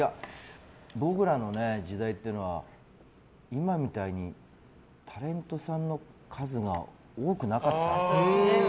僕らの時代っていうのは今みたいにタレントさんの数が多くなかった。